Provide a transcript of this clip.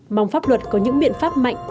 mong pháp luật có những biện pháp mạnh